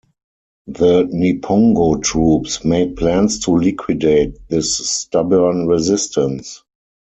The Niponggo troops made plans to liquidate this stubborn resistance.